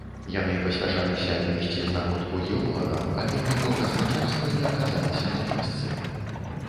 Яны паспяшаліся аднесці знаходку геолагам, але нікога з начальства не аказалася на месцы.